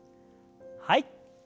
はい。